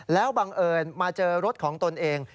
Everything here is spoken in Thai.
แล้วบังเอิญมาเจอรถของตนเอง